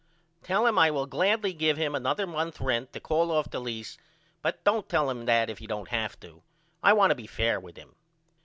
Tell him I will gladly give him another month rent to call off the lease but don't tell him that if you don't have to. I want to be fare with him.